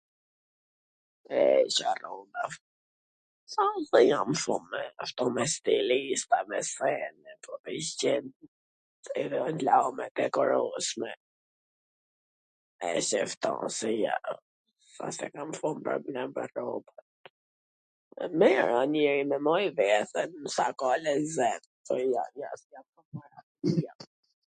e Ca rrobash! ashtu me stilista, ... edhe t lame, t ekurosme,... s wsht se kam shum problem pwr rrobat, e mir, nganjer e maj veten sa ka lezet...